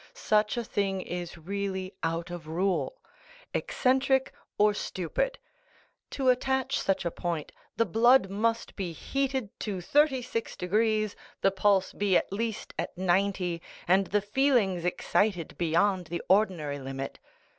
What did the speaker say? Such a thing is really out of rule—eccentric or stupid. To attain such a point, the blood must be heated to thirty six degrees, the pulse be, at least, at ninety, and the feelings excited beyond the ordinary limit.